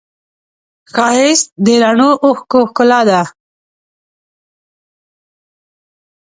ښایست د رڼو اوښکو ښکلا ده